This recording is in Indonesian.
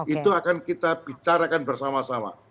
itu akan kita bicarakan bersama sama